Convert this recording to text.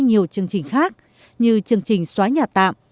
nhiều chương trình khác như chương trình xóa nhà tạm